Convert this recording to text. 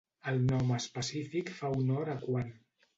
El nom específic fa honor a Kuan.